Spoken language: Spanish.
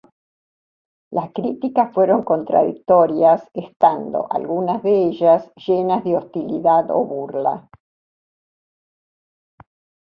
Las críticas fueron contradictorias estando, algunas de ellas, llenas de hostilidad o burla.